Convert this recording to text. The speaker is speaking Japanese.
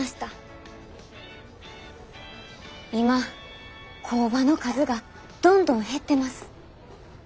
今工場の数がどんどん減ってます。